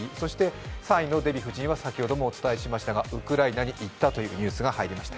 ３位のデヴィ夫人は先ほどもお伝えしましたが、ウクライナに行ったというニュースが入りました。